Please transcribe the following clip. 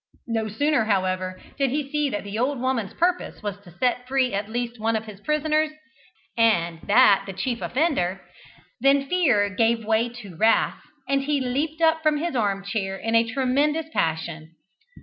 No sooner, however, did he see that the old woman's purpose was to set free at least one of his prisoners, and that the chief offender, than fear gave way to wrath, and he leaped up from his armchair in a tremendous passion.